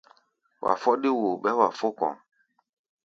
Wa fɔ́ɗí woo, ɓɛɛ́ wa fó kɔ̧.